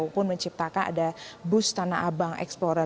maupun menciptakan ada bus tanah abang explorer